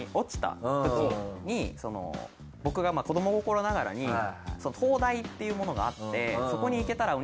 僕が子ども心ながらに東大っていうものがあって。